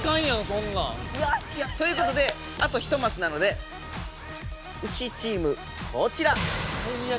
そんなん。ということであと１マスなのでウシチームこちら！